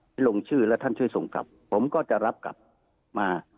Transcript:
ลงชื่อแล้วท่านช่วยส่งกลับผมก็จะรับกลับมา